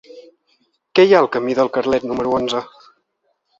Què hi ha al camí del Carlet número onze?